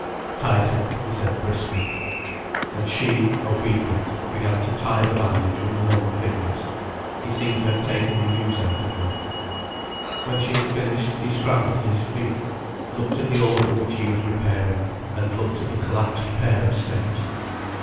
"Tie it up," he said briskly. And she, obedient, began to tie the bandage with numb fingers. He seemed to have taken the use out of her. When she had finished, he scrambled to his feet, looked at the organ which he was repairing, and looked at the collapsed pair of steps.